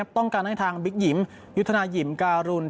มันไม่ต้องเสียค่ารถ